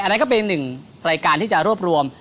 อันนั้นก็เป็น๑รายการที่จะรวบรวม